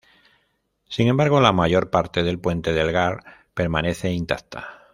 Sin embargo, la mayor parte del puente del Gard permanece intacta.